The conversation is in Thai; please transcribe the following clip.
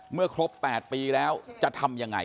เมื่อครบ๘ปีแล้วจะทำยังไง